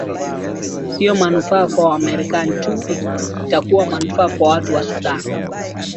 sio manufaa kwa wamarekani tu itakuwa manufaa kwa watu ya sudan